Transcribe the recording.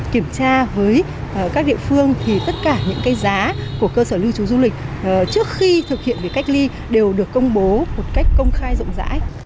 kiểm tra với các địa phương thì tất cả những cái giá của cơ sở lưu trú du lịch trước khi thực hiện việc cách ly đều được công bố một cách công khai rộng rãi